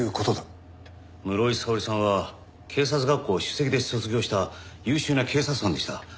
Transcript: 室井沙織さんは警察学校を首席で卒業した優秀な警察官でした。